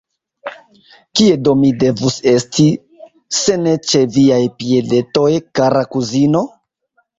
Kie do mi devus esti, se ne ĉe viaj piedetoj, kara kuzino?